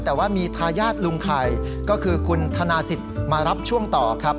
แต่ว่ามีทายาทลุงไข่ก็คือคุณธนาศิษย์มารับช่วงต่อครับ